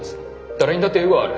誰にだってエゴはある。